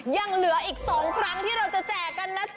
ยังเหลืออีก๒ครั้งที่เราจะแจกกันนะจ๊